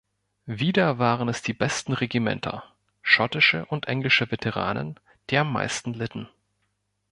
Wieder waren es die besten Regimenter, schottische und englische Veteranen, die am meisten litten.